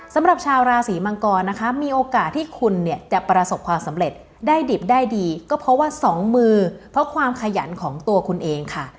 สำหรับชาวราศีมังกรนะคะมีโอกาสที่คุณเนี่ยจะประสบความสำเร็จได้ดิบได้ดีก็เพราะว่าสองมือเพราะความขยันของตัวคุณเองค่ะ